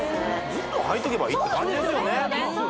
ずっとはいとけばいいって感じですよね